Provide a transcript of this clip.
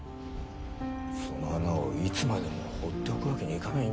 その穴をいつまでも放っておくわけにいかないんだよ。